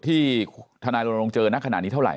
ที่ธนาฬงศ์ลงเจอน่ะขนาดนี้เท่าไหร่